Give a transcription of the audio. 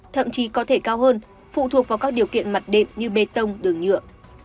thậm chí có thể cao hơn phụ thuộc vào các điều kiện mặt đệm như bê tông đường nhựa